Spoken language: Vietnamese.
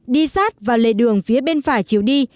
đi sát và lề đường phía bên phải chiều đi